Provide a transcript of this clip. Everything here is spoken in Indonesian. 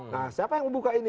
nah siapa yang membuka ini